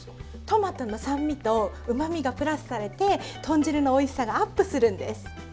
トマトの酸味とうまみがプラスされて豚汁のおいしさがアップするんです。